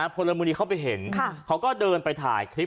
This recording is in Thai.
พลเมืองดีเข้าไปเห็นเขาก็เดินไปถ่ายคลิป